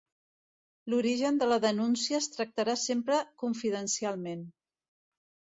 L'origen de la denúncia es tractarà sempre confidencialment.